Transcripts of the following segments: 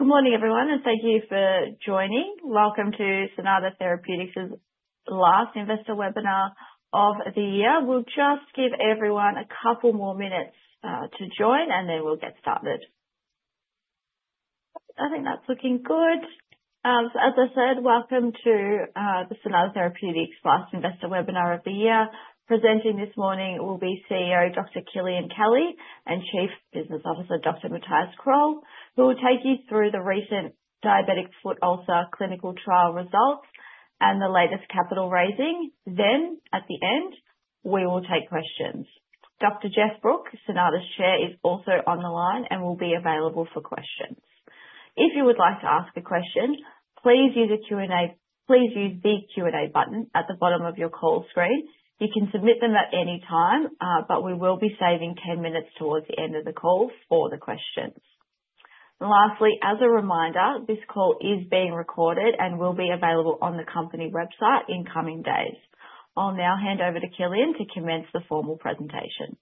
Good morning everyone, and thank you for joining. Welcome to Cynata Therapeutics' last investor webinar of the year. We'll just give everyone a couple more minutes to join and then we'll get started. I think that's looking good. As I said, welcome to the Cynata Therapeutics' last investor webinar of the year. Presenting this morning will be CEO, Dr. Kilian Kelly and Chief Business Officer, Dr. Mathias Kroll, who will take you through the recent diabetic foot ulcer clinical trial results and the latest capital raising. At the end, we will take questions. Dr. Geoff Brooke, Cynata's Chair, is also on the line and will be available for questions. If you would like to ask a question, please use the Q&A button at the bottom of your call screen. You can submit them at any time, but we will be saving 10 minutes towards the end of the call for the questions. Lastly, as a reminder, this call is being recorded and will be available on the company website in coming days. I'll now hand over to Kilian to commence the formal presentation.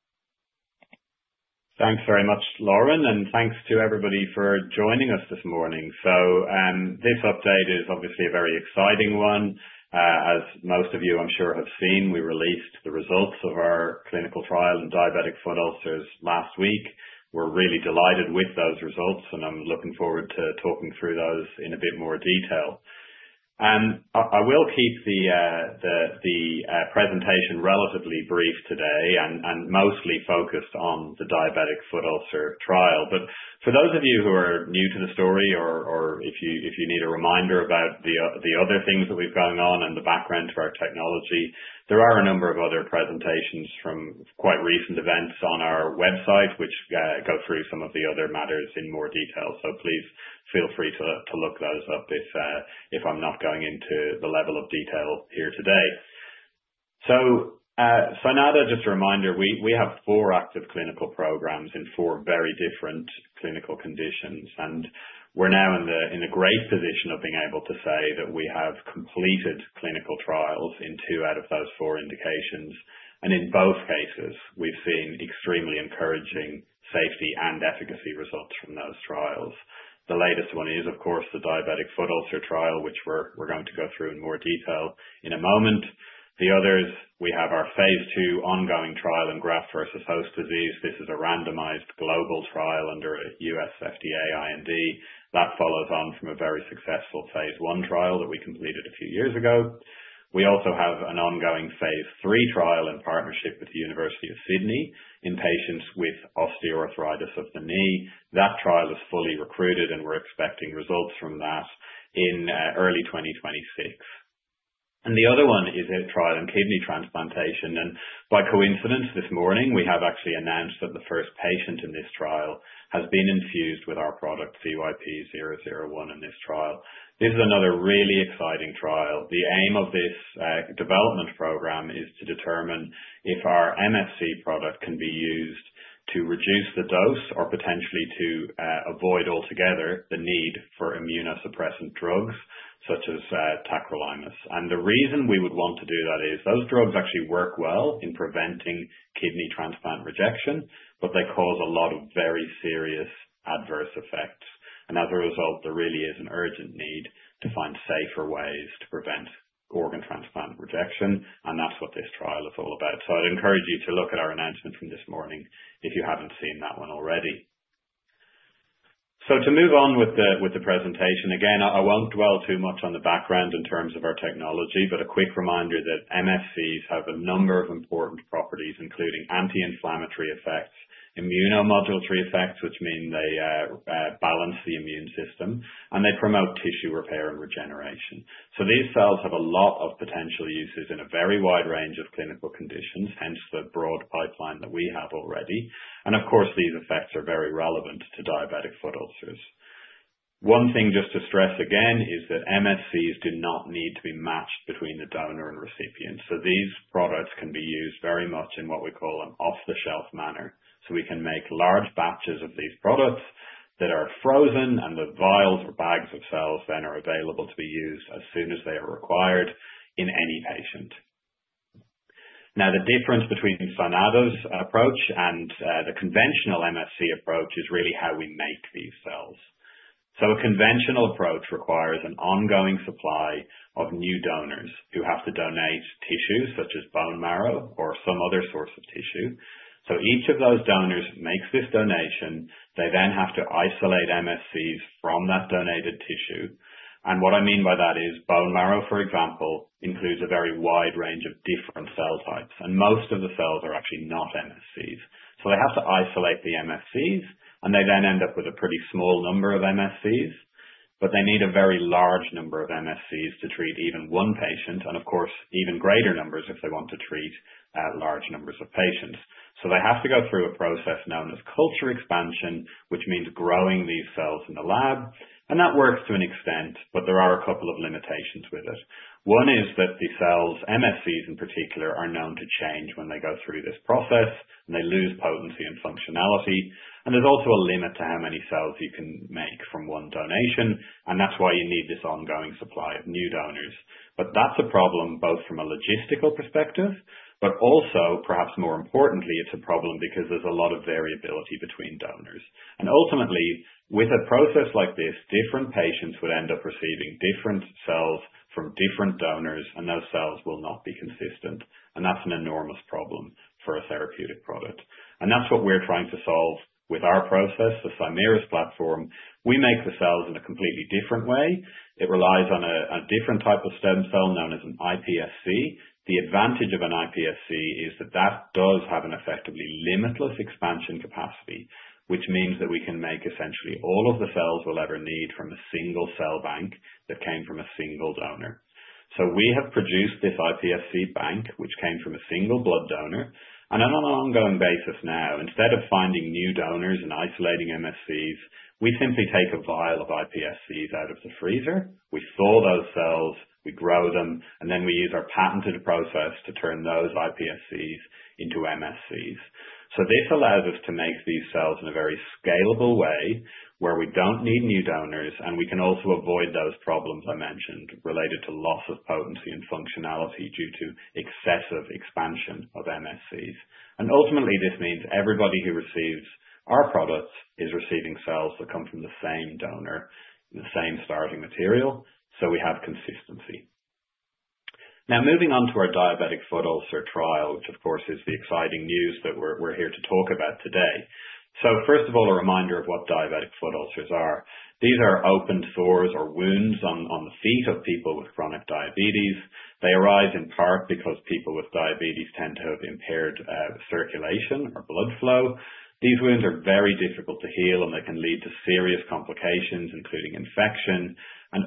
Thanks very much, Lauren, and thanks to everybody for joining us this morning. This update is obviously a very exciting one. As most of you, I'm sure, have seen, we released the results of our clinical trial in diabetic foot ulcers last week. We're really delighted with those results, and I'm looking forward to talking through those in a bit more detail. I will keep the presentation relatively brief today and mostly focused on the diabetic foot ulcer trial. For those of you who are new to the story or if you need a reminder about the other things that we've got going on and the background to our technology, there are a number of other presentations from quite recent events on our website, which go through some of the other matters in more detail. Please feel free to look those up if I'm not going into the level of detail here today. At Cynata, just a reminder, we have four active clinical programs in four very different clinical conditions, and we're now in a great position of being able to say that we have completed clinical trials in two out of those four indications. In both cases, we've seen extremely encouraging safety and efficacy results from those trials. The latest one is, of course, the diabetic foot ulcer trial, which we're going to go through in more detail in a moment. The others, we have our phase II ongoing trial in graft-versus-host disease. This is a randomized global trial under a U.S. FDA IND. That follows on from a very successful phase I trial that we completed a few years ago. We also have an ongoing phase III trial in partnership with the University of Sydney in patients with osteoarthritis of the knee. That trial is fully recruited, and we're expecting results from that in early 2026. The other one is a trial in kidney transplantation, and by coincidence, this morning, we have actually announced that the first patient in this trial has been infused with our product, CYP-001, in this trial. This is another really exciting trial. The aim of this development program is to determine if our MSC product can be used to reduce the dose or potentially to avoid altogether the need for immunosuppressant drugs such as tacrolimus. The reason we would want to do that is those drugs actually work well in preventing kidney transplant rejection, but they cause a lot of very serious adverse effects. As a result, there really is an urgent need to find safer ways to prevent organ transplant rejection, and that's what this trial is all about. I'd encourage you to look at our announcement from this morning if you haven't seen that one already. To move on with the presentation, again, I won't dwell too much on the background in terms of our technology, but a quick reminder that MSCs have a number of important properties, including anti-inflammatory effects, immunomodulatory effects, which mean they balance the immune system, and they promote tissue repair and regeneration. These cells have a lot of potential uses in a very wide range of clinical conditions, hence the broad pipeline that we have already. Of course, these effects are very relevant to diabetic foot ulcers. One thing just to stress again is that MSCs do not need to be matched between the donor and recipient. These products can be used very much in what we call an off-the-shelf manner. We can make large batches of these products that are frozen, and the vials or bags of cells then are available to be used as soon as they are required in any patient. Now, the difference between Cynata's approach and the conventional MSC approach is really how we make these cells. A conventional approach requires an ongoing supply of new donors who have to donate tissue, such as bone marrow or some other source of tissue. Each of those donors makes this donation. They then have to isolate MSCs from that donated tissue. What I mean by that is bone marrow, for example, includes a very wide range of different cell types, and most of the cells are actually not MSCs. They have to isolate the MSCs, and they then end up with a pretty small number of MSCs. They need a very large number of MSCs to treat even one patient, and of course, even greater numbers if they want to treat large numbers of patients. They have to go through a process known as culture expansion, which means growing these cells in the lab. That works to an extent, but there are a couple of limitations with it. One is that the cells, MSCs in particular, are known to change when they go through this process, and they lose potency and functionality. There's also a limit to how many cells you can make from one donation, and that's why you need this ongoing supply of new donors. That's a problem both from a logistical perspective, but also, perhaps more importantly, it's a problem because there's a lot of variability between donors. Ultimately, with a process like this, different patients would end up receiving different cells from different donors, and those cells will not be consistent. That's an enormous problem for a therapeutic product. That's what we're trying to solve with our process, the Cymerus platform. We make the cells in a completely different way. It relies on a different type of stem cell known as an iPSC. The advantage of an iPSC is that that does have an effectively limitless expansion capacity, which means that we can make essentially all of the cells we'll ever need from a single cell bank that came from a single donor. We have produced this iPSC bank, which came from a single blood donor. On an ongoing basis now, instead of finding new donors and isolating MSCs, we simply take a vial of iPSCs out of the freezer, we thaw those cells, we grow them, and then we use our patented process to turn those iPSCs into MSCs. This allows us to make these cells in a very scalable way, where we don't need new donors, and we can also avoid those problems I mentioned related to loss of potency and functionality due to excessive expansion of MSCs. Ultimately, this means everybody who receives our products is receiving cells that come from the same donor, the same starting material, so we have consistency. Moving on to our diabetic foot ulcer trial, which of course is the exciting news that we're here to talk about today. First of all, a reminder of what diabetic foot ulcers are. These are open sores or wounds on the feet of people with chronic diabetes. They arise in part because people with diabetes tend to have impaired circulation or blood flow. These wounds are very difficult to heal, and they can lead to serious complications, including infection.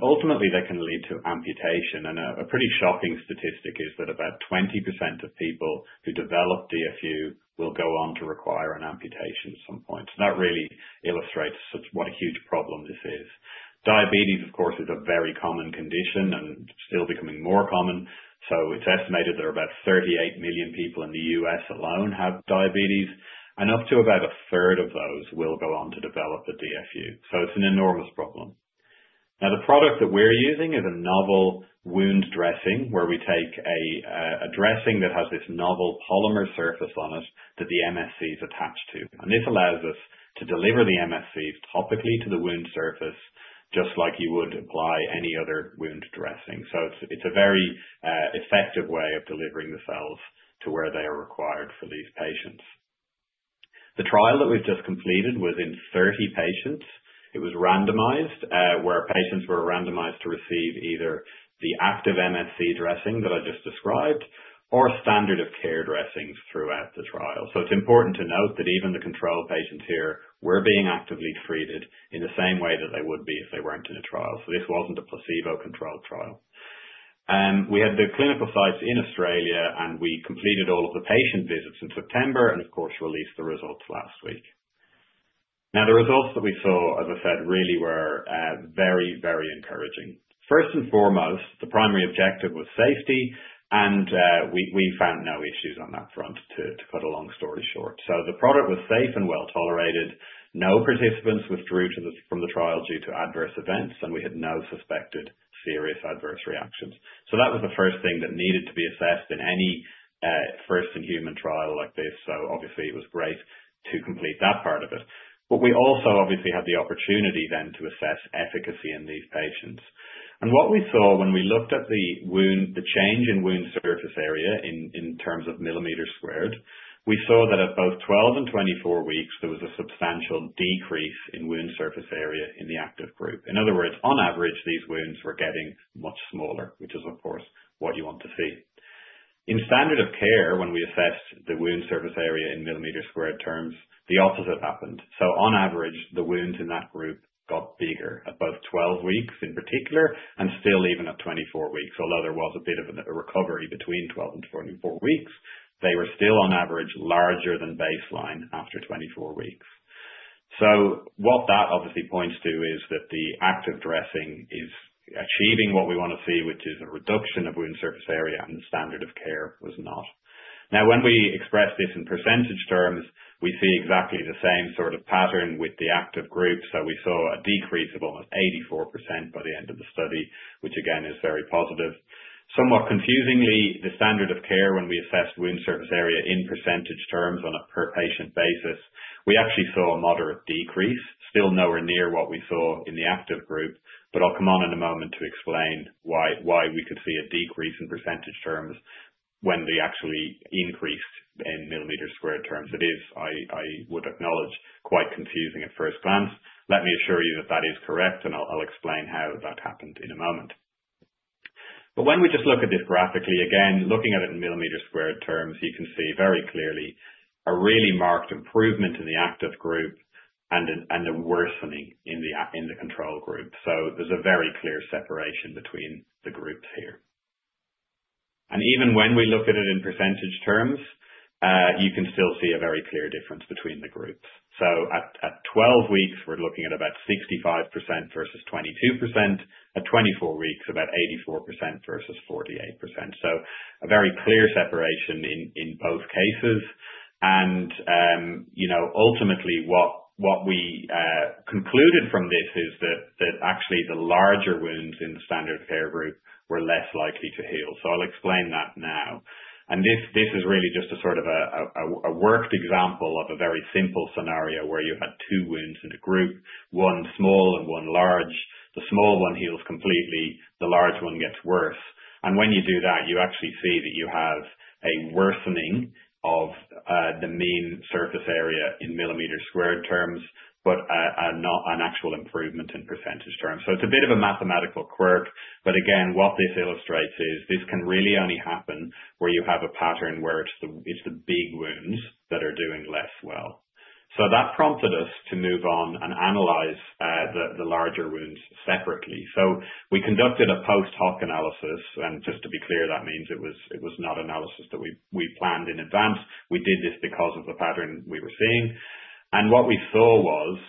Ultimately, they can lead to amputation. A pretty shocking statistic is that about 20% of people who develop DFU will go on to require an amputation at some point. That really illustrates what a huge problem this is. Diabetes, of course, is a very common condition and still becoming more common. It's estimated that about 38 million people in the U.S. alone have diabetes, and up to about a third of those will go on to develop a DFU. It's an enormous problem. The product that we're using is a novel wound dressing, where we take a dressing that has this novel polymer surface on it that the MSCs attach to. This allows us to deliver the MSCs topically to the wound surface just like you would apply any other wound dressing. It's a very effective way of delivering the cells to where they are required for these patients. The trial that we've just completed was in 30 patients. It was randomized, where patients were randomized to receive either the active MSC dressing that I just described or standard of care dressings throughout the trial. It's important to note that even the control patients here were being actively treated in the same way that they would be if they weren't in a trial. This wasn't a placebo-controlled trial. We had the clinical sites in Australia, and we completed all of the patient visits in September and, of course, released the results last week. Now, the results that we saw, as I said, really were very encouraging. First and foremost, the primary objective was safety, and we found no issues on that front, to cut a long story short. The product was safe and well-tolerated. No participants withdrew from the trial due to adverse events, and we had no suspected serious adverse reactions. That was the first thing that needed to be assessed in any first-in-human trial like this, so obviously it was great to complete that part of it. We also obviously had the opportunity then to assess efficacy in these patients. What we saw when we looked at the change in wound surface area in terms of millimeters squared, we saw that at both 12 and 24 weeks, there was a substantial decrease in wound surface area in the active group. In other words, on average, these wounds were getting much smaller, which is, of course, what you want to see. In standard of care, when we assessed the wound surface area in millimeters squared terms, the opposite happened. On average, the wounds in that group got bigger at both 12 weeks in particular and still even at 24 weeks. Although there was a bit of a recovery between 12 and 24 weeks, they were still on average larger than baseline after 24 weeks. What that obviously points to is that the active dressing is achieving what we want to see, which is a reduction of wound surface area, and standard of care was not. When we express this in percentage terms, we see exactly the same sort of pattern with the active group. We saw a decrease of almost 84% by the end of the study, which again is very positive. Somewhat confusingly, the standard of care when we assessed wound surface area in percentage terms on a per-patient basis, we actually saw a moderate decrease. Still nowhere near what we saw in the active group, I'll come on in a moment to explain why we could see a decrease in percentage terms when they actually increased in millimeters squared terms. It is, I would acknowledge, quite confusing at first glance. Let me assure you that is correct, and I'll explain how that happened in a moment. When we just look at this graphically, again, looking at it in millimeter squared terms, you can see very clearly a really marked improvement in the active group and a worsening in the control group. There's a very clear separation between the groups here. Even when we look at it in percentage terms, you can still see a very clear difference between the groups. At 12 weeks, we're looking at about 65% versus 22%, at 24 weeks, about 84% versus 48%. A very clear separation in both cases. Ultimately what we concluded from this is that actually the larger wounds in the standard care group were less likely to heal. I'll explain that now. This is really just a sort of a worked example of a very simple scenario where you had two wounds in a group, one small and one large. The small one heals completely, the large one gets worse. When you do that, you actually see that you have a worsening of the mean surface area in millimeters squared terms, but not an actual improvement in % terms. It's a bit of a mathematical quirk, but again, what this illustrates is this can really only happen where you have a pattern where it's the big wounds that are doing less well. That prompted us to move on and analyze the larger wounds separately. We conducted a post hoc analysis. Just to be clear, that means it was not analysis that we planned in advance. We did this because of the pattern we were seeing. What we saw was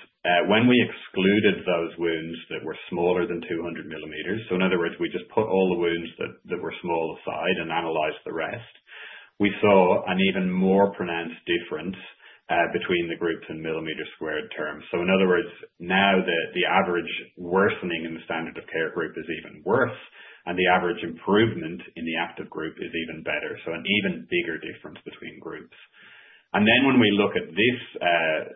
when we excluded those wounds that were smaller than 200 millimeters. In other words, we just put all the wounds that were small aside and analyzed the rest. We saw an even more pronounced difference between the groups in millimeter squared terms. In other words, now the average worsening in the standard of care group is even worse, and the average improvement in the active group is even better. An even bigger difference between groups. When we look at this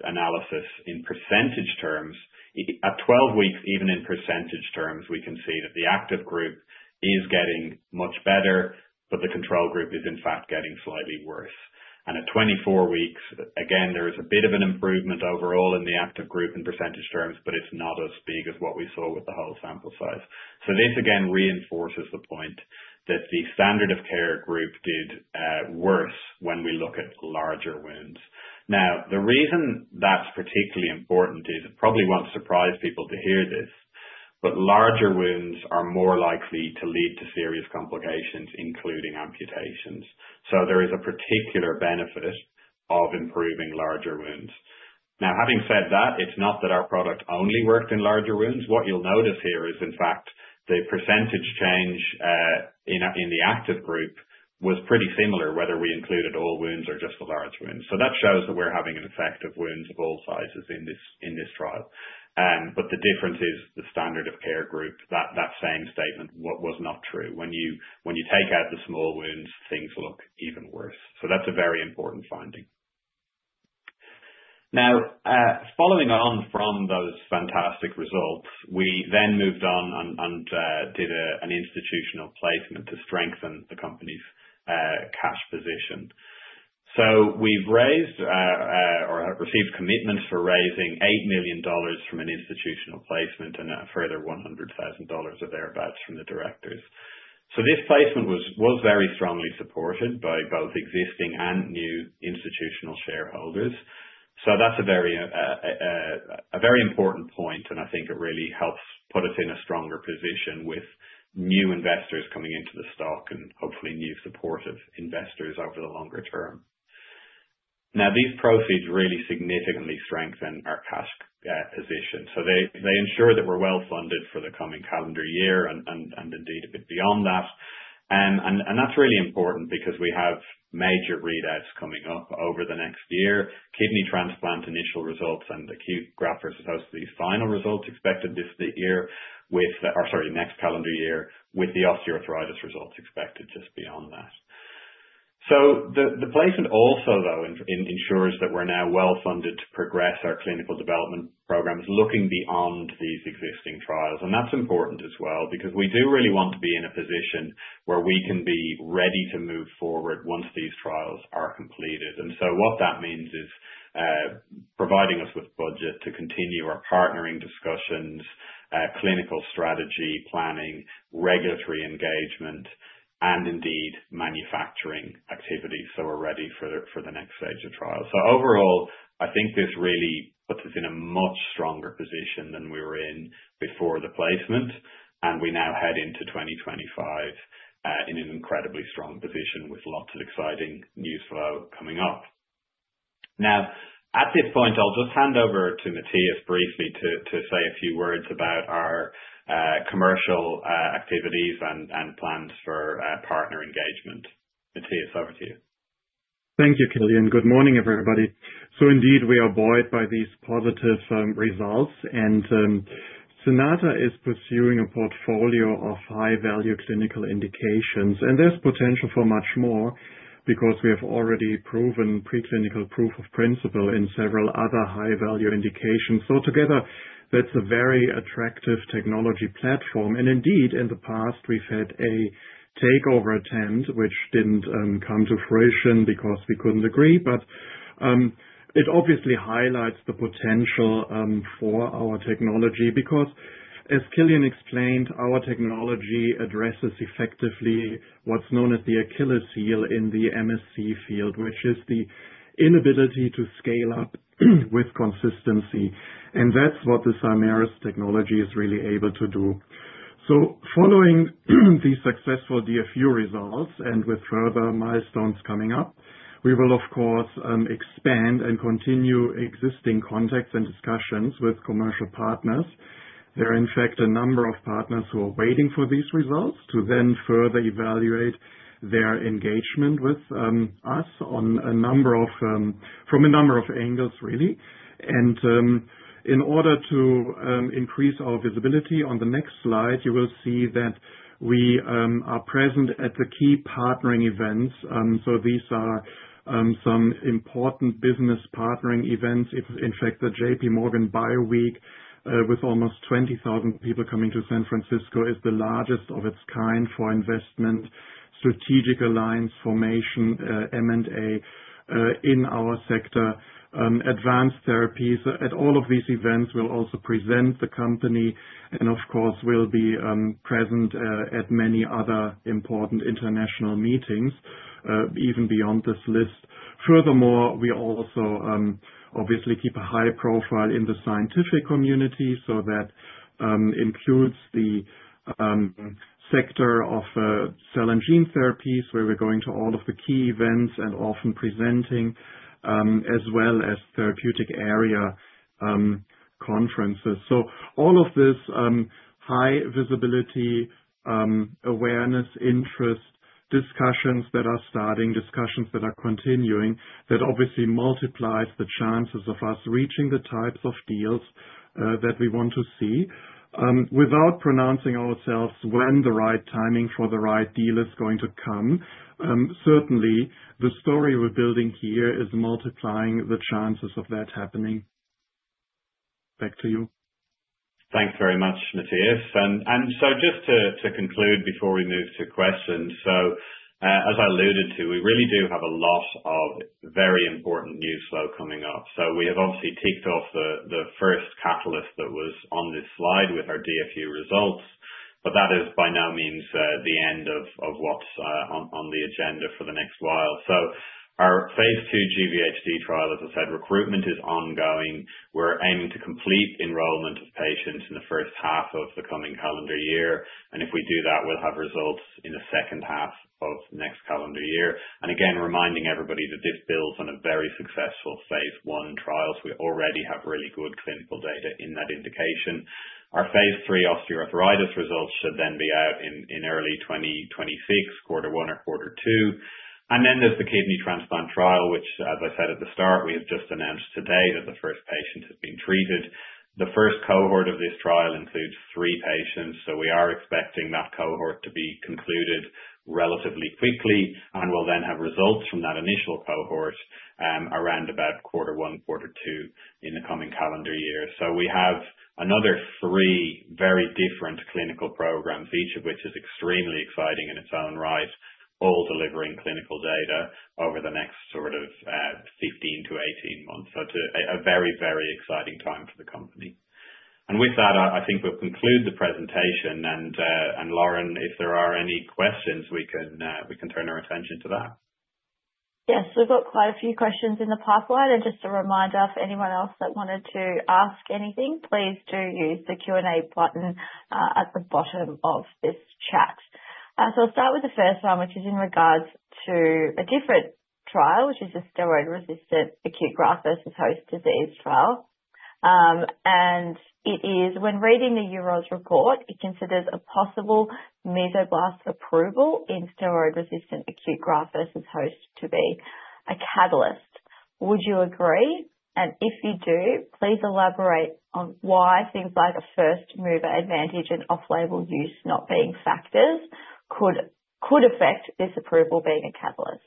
analysis in percentage terms, at 12 weeks, even in percentage terms, we can see that the active group is getting much better, but the control group is in fact getting slightly worse. At 24 weeks, again, there is a bit of an improvement overall in the active group in percentage terms, but it's not as big as what we saw with the whole sample size. This again reinforces the point that the standard of care group did worse when we look at larger wounds. The reason that's particularly important is it probably won't surprise people to hear this, but larger wounds are more likely to lead to serious complications, including amputations. There is a particular benefit of improving larger wounds. Having said that, it's not that our product only worked in larger wounds. What you'll notice here is, in fact, the percentage change in the active group was pretty similar, whether we included all wounds or just the large wounds. That shows that we're having an effect of wounds of all sizes in this trial. The difference is the standard of care group, that same statement was not true. When you take out the small wounds, things look even worse. That's a very important finding. Following on from those fantastic results, we then moved on and did an institutional placement to strengthen the company's cash position. We've raised or have received commitments for raising 8 million dollars from an institutional placement and a further 100,000 dollars or thereabouts from the directors. This placement was very strongly supported by both existing and new institutional shareholders. That's a very important point, and I think it really helps put us in a stronger position with new investors coming into the stock and hopefully new supportive investors over the longer term. These proceeds really significantly strengthen our cash position. They ensure that we're well funded for the coming calendar year and indeed a bit beyond that. That's really important because we have major readouts coming up over the next year. Kidney transplant initial results and acute graft-versus-host disease final results expected next calendar year with the osteoarthritis results expected just beyond that. The placement also though ensures that we're now well funded to progress our clinical development programs looking beyond these existing trials. That's important as well because we do really want to be in a position where we can be ready to move forward once these trials are completed. What that means is providing us with budget to continue our partnering discussions, clinical strategy planning, regulatory engagement, and indeed manufacturing activities so we're ready for the next stage of trial. Overall, I think this really puts us in a much stronger position than we were in before the placement. We now head into 2025 in an incredibly strong position with lots of exciting news flow coming up. At this point, I'll just hand over to Mathias briefly to say a few words about our commercial activities and plans for partner engagement. Mathias, over to you. Thank you, Kilian. Good morning, everybody. Indeed we are buoyed by these positive results and Cynata is pursuing a portfolio of high-value clinical indications. There's potential for much more because we have already proven preclinical proof of principle in several other high-value indications. Together that's a very attractive technology platform. Indeed in the past we've had a takeover attempt which didn't come to fruition because we couldn't agree. It obviously highlights the potential for our technology because, as Kilian explained, our technology addresses effectively what's known as the Achilles heel in the MSC field, which is the inability to scale up with consistency. That's what the Cymerus technology is really able to do. Following the successful DFU results, and with further milestones coming up, we will of course expand and continue existing contacts and discussions with commercial partners. There are in fact a number of partners who are waiting for these results to then further evaluate their engagement with us from a number of angles, really. In order to increase our visibility, on the next slide, you will see that we are present at the key partnering events. These are some important business partnering events. In fact, the J.P. Morgan Bio Week, with almost 20,000 people coming to San Francisco, is the largest of its kind for investment strategic alliance formation, M&A in our sector. Advanced therapies at all of these events will also present the company and of course, will be present at many other important international meetings, even beyond this list. Furthermore, we also obviously keep a high profile in the scientific community, so that includes the sector of cell and gene therapies, where we're going to all of the key events and often presenting, as well as therapeutic area conferences. All of this high visibility, awareness, interest, discussions that are starting, discussions that are continuing, that obviously multiplies the chances of us reaching the types of deals that we want to see. Without pronouncing ourselves when the right timing for the right deal is going to come. Certainly, the story we're building here is multiplying the chances of that happening. Back to you. Thanks very much, Mathias. Just to conclude before we move to questions. As I alluded to, we really do have a lot of very important news flow coming up. We have obviously ticked off the first catalyst that was on this slide with our DFU results, but that is by no means the end of what's on the agenda for the next while. Our phase II GvHD trial, as I said, recruitment is ongoing. We're aiming to complete enrollment of patients in the first half of the coming calendar year. If we do that, we'll have results in the second half of next calendar year. Again, reminding everybody that this builds on a very successful phase I trial. We already have really good clinical data in that indication. Our phase III osteoarthritis results should be out in early 2026, quarter 1 or quarter 2. There's the kidney transplant trial, which as I said at the start, we have just announced today that the first patient has been treated. The first cohort of this trial includes 3 patients, we are expecting that cohort to be concluded relatively quickly, and we'll then have results from that initial cohort around about quarter 1, quarter 2 in the coming calendar year. We have another 3 very different clinical programs, each of which is extremely exciting in its own right, all delivering clinical data over the next 15-18 months. It's a very exciting time for the company. With that, I think we'll conclude the presentation. Lauren, if there are any questions we can turn our attention to that. Yes. We've got quite a few questions in the pipeline. Just a reminder for anyone else that wanted to ask anything, please do use the Q&A button at the bottom of this chat. I'll start with the first one, which is in regards to a different trial, which is a steroid-resistant acute graft-versus-host disease trial. It is when reading the Euroz report, it considers a possible Mesoblast approval in steroid-resistant acute graft-versus-host to be a catalyst. Would you agree? If you do, please elaborate on why things like a first-mover advantage and off-label use not being factors could affect this approval being a catalyst.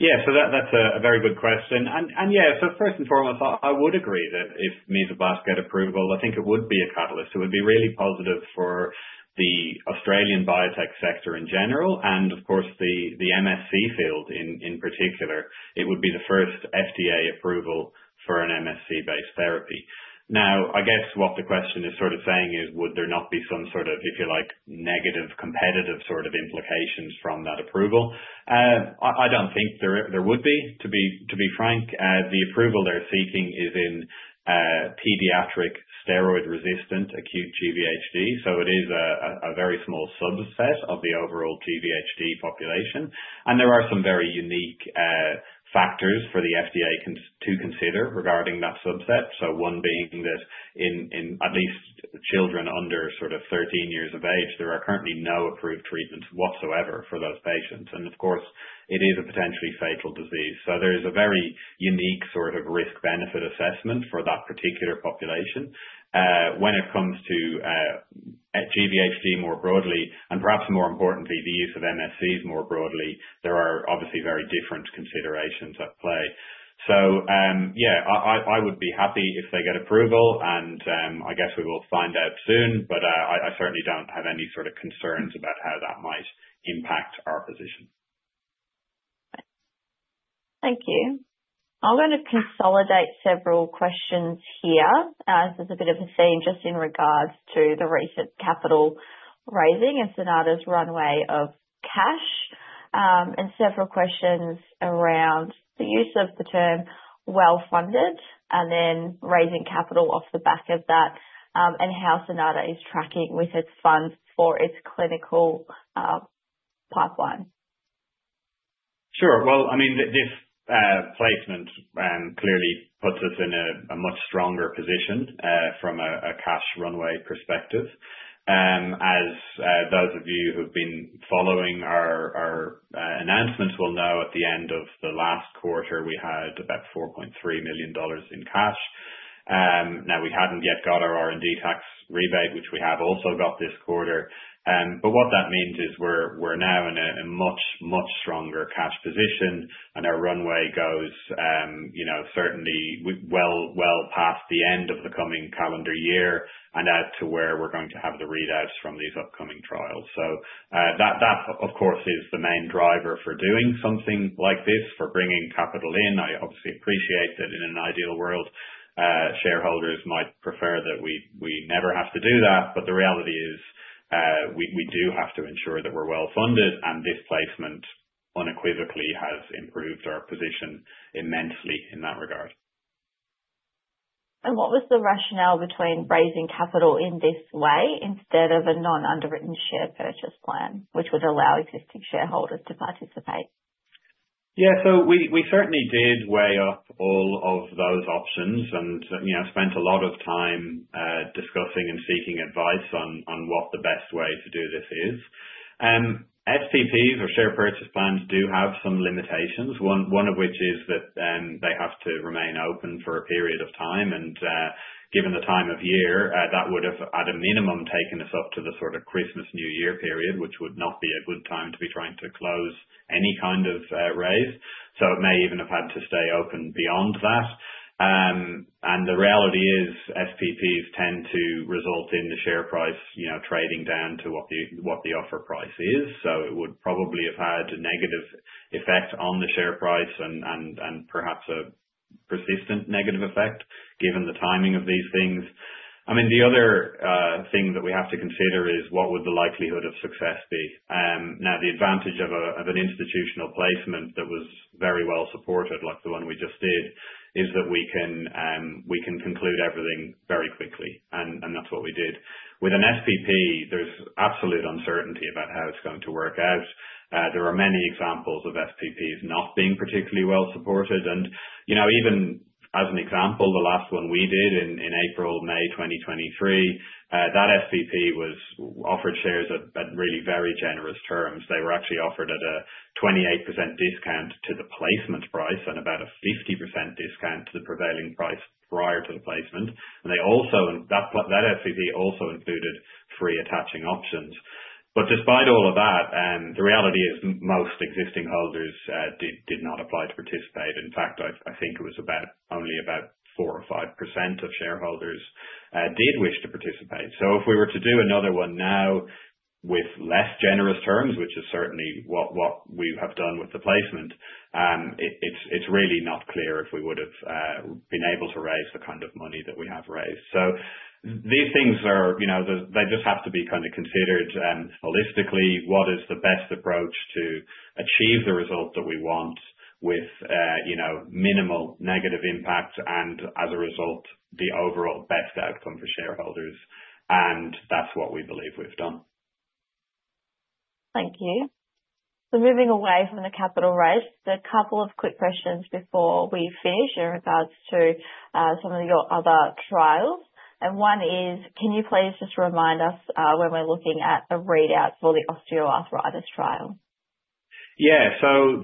Yeah. That's a very good question. Yeah, first and foremost, I would agree that if Mesoblast get approval, I think it would be a catalyst. It would be really positive for the Australian biotech sector in general, and of course the MSC field in particular. It would be the first FDA approval for an MSC-based therapy. I guess what the question is sort of saying is would there not be some sort of, if you like, negative competitive sort of implications from that approval? I don't think there would be. To be frank, the approval they're seeking is in pediatric steroid-resistant acute GvHD, it is a very small subset of the overall GvHD population. There are some very unique factors for the FDA to consider regarding that subset. One being that in at least children under 13 years of age, there are currently no approved treatments whatsoever for those patients. Of course, it is a potentially fatal disease. There is a very unique sort of risk-benefit assessment for that particular population. When it comes to GvHD more broadly, and perhaps more importantly, the use of MSCs more broadly, there are obviously very different considerations at play. Yeah, I would be happy if they get approval and I guess we will find out soon, but I certainly don't have any sort of concerns about how that might impact our position. Thank you. I'm going to consolidate several questions here as there's a bit of a theme just in regards to the recent capital raising and Cynata's runway of cash. Several questions around the use of the term well-funded, and then raising capital off the back of that, and how Cynata is tracking with its funds for its clinical pipeline. Sure. Well, this placement clearly puts us in a much stronger position from a cash runway perspective. As those of you who've been following our announcements will know, at the end of the last quarter, we had about 4.3 million dollars in cash. We hadn't yet got our R&D tax rebate, which we have also got this quarter. What that means is we're now in a much, much stronger cash position, and our runway goes certainly well past the end of the coming calendar year and out to where we're going to have the readouts from these upcoming trials. That of course, is the main driver for doing something like this, for bringing capital in. I obviously appreciate that in an ideal world, shareholders might prefer that we never have to do that. The reality is, we do have to ensure that we're well-funded and this placement unequivocally has improved our position immensely in that regard. What was the rationale between raising capital in this way instead of a non-underwritten share purchase plan, which would allow existing shareholders to participate? Yeah. We certainly did weigh up all of those options and spent a lot of time discussing and seeking advice on what the best way to do this is. SPPs or share purchase plans do have some limitations. One of which is that they have to remain open for a period of time, and given the time of year, that would have, at a minimum, taken us up to the sort of Christmas, New Year period, which would not be a good time to be trying to close any kind of raise. It may even have had to stay open beyond that. The reality is, SPPs tend to result in the share price trading down to what the offer price is. It would probably have had a negative effect on the share price and perhaps a persistent negative effect given the timing of these things. The other thing that we have to consider is what would the likelihood of success be. The advantage of an institutional placement that was very well supported, like the one we just did, is that we can conclude everything very quickly, and that's what we did. With an SPP, there's absolute uncertainty about how it's going to work out. There are many examples of SPPs not being particularly well supported. Even as an example, the last one we did in April, May 2023, that SPP offered shares at really very generous terms. They were actually offered at a 28% discount to the placement price and about a 50% discount to the prevailing price prior to the placement. That SPP also included free attaching options. Despite all of that, the reality is most existing holders did not apply to participate. In fact, I think it was only about four or five % of shareholders did wish to participate. If we were to do another one now with less generous terms, which is certainly what we have done with the placement, it's really not clear if we would've been able to raise the kind of money that we have raised. These things just have to be kind of considered holistically, what is the best approach to achieve the result that we want with minimal negative impact and as a result, the overall best outcome for shareholders. That's what we believe we've done. Thank you. Moving away from the capital raise, there are a couple of quick questions before we finish in regards to some of your other trials. One is, can you please just remind us when we're looking at the readouts for the osteoarthritis trial? Yeah.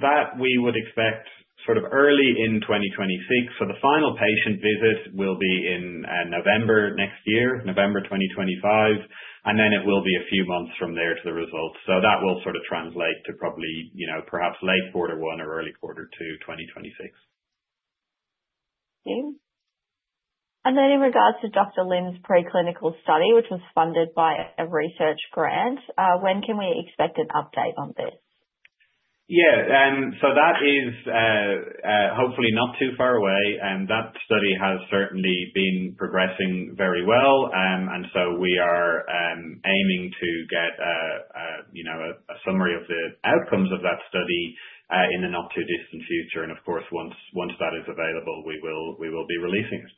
That we would expect sort of early in 2026. The final patient visit will be in November next year, November 2025, and then it will be a few months from there to the results. That will sort of translate to probably perhaps late quarter 1 or early quarter 2 2026. In regards to Dr. Lynn's preclinical study which was funded by a research grant, when can we expect an update on this? Yeah. That is hopefully not too far away. That study has certainly been progressing very well. We are aiming to get a summary of the outcomes of that study in the not-too-distant future. Of course, once that is available, we will be releasing it.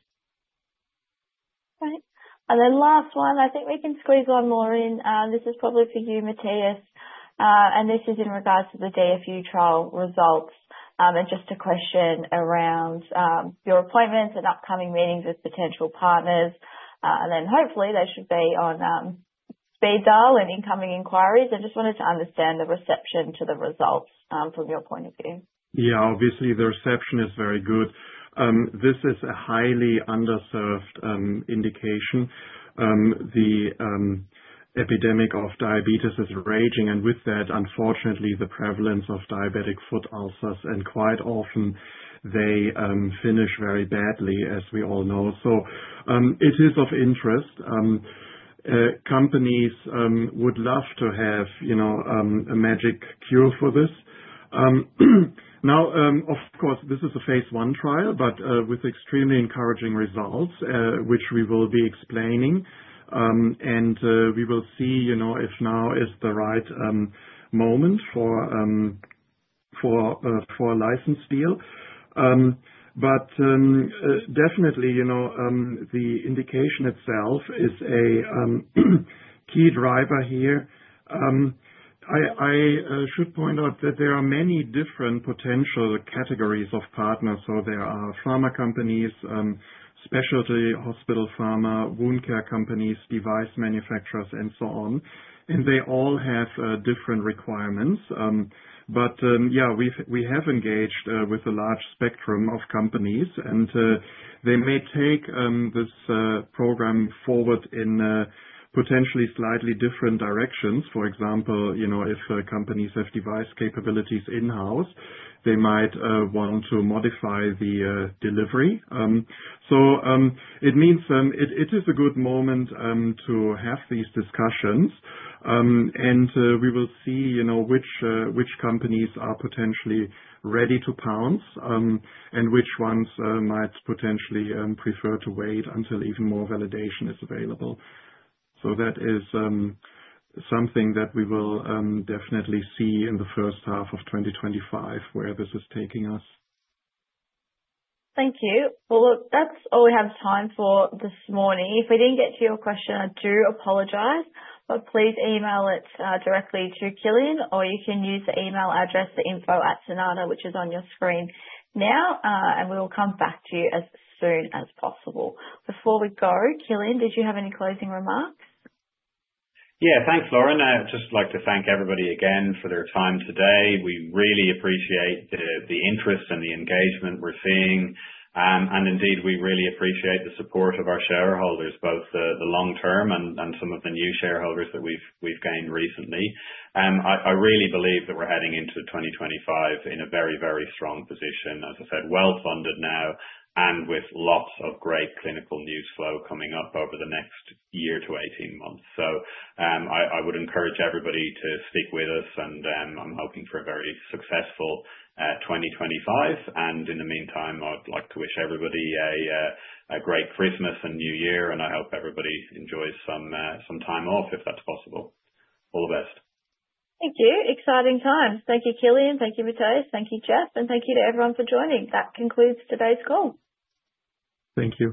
Great. Last one, I think we can squeeze one more in. This is probably for you, Mathias. This is in regards to the DFU trial results. Just a question around your appointments and upcoming meetings with potential partners. Hopefully they should be on speed dial and incoming inquiries. I just wanted to understand the reception to the results from your point of view. Yeah, obviously the reception is very good. This is a highly underserved indication. The epidemic of diabetes is raging, with that, unfortunately, the prevalence of diabetic foot ulcers, quite often they finish very badly, as we all know. It is of interest. Companies would love to have a magic cure for this. Of course, this is a phase I trial, with extremely encouraging results, which we will be explaining. We will see if now is the right moment for a license deal. Definitely, the indication itself is a key driver here. I should point out that there are many different potential categories of partners. There are pharma companies, specialty hospital pharma, wound care companies, device manufacturers so on, they all have different requirements. Yeah, we have engaged with a large spectrum of companies and they may take this program forward in potentially slightly different directions. For example, if companies have device capabilities in-house, they might want to modify the delivery. It means it is a good moment to have these discussions. We will see which companies are potentially ready to pounce and which ones might potentially prefer to wait until even more validation is available. That is something that we will definitely see in the first half of 2025, where this is taking us. Thank you. Look, that's all we have time for this morning. If we didn't get to your question, I do apologize, but please email it directly to Kilian, or you can use the email address, the info@cynata, which is on your screen now, and we will come back to you as soon as possible. Before we go, Kilian, did you have any closing remarks? Thanks, Lauren. I'd just like to thank everybody again for their time today. We really appreciate the interest and the engagement we're seeing. Indeed, we really appreciate the support of our shareholders, both the long-term and some of the new shareholders that we've gained recently. I really believe that we're heading into 2025 in a very strong position. As I said, well-funded now and with lots of great clinical news flow coming up over the next year to 18 months. I would encourage everybody to stick with us and I'm hoping for a very successful 2025. In the meantime, I would like to wish everybody a great Christmas and New Year, and I hope everybody enjoys some time off, if that's possible. All the best. Thank you. Exciting times. Thank you, Kilian. Thank you, Mathias. Thank you, Geoff. Thank you to everyone for joining. That concludes today's call. Thank you.